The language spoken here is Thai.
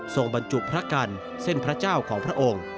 บรรจุพระกันเส้นพระเจ้าของพระองค์